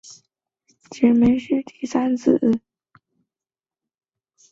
耶律只没是第三子。